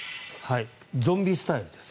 ゾンビスタイルです。